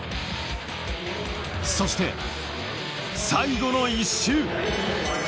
そして、最後の１周。